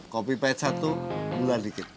kopi pahit satu bulan dikit